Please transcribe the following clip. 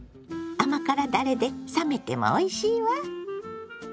甘辛だれで冷めてもおいしいわ。